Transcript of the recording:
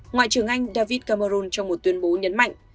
ngoại trưởng anh david cameron trong một tuyên bố nhấn mạnh